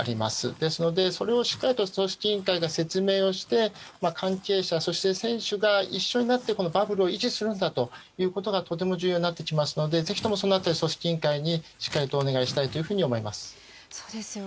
ですので、それをしっかり組織委員会が説明をして関係者、そして選手が一緒になってバブルを維持するんだということがとても重要になってきますのでぜひともその辺り組織委員会にしっかりとお願いしたいと思います。